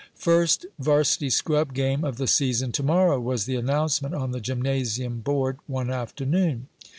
"First varsity scrub game of the season to morrow," was the announcement on the gymnasium board one afternoon.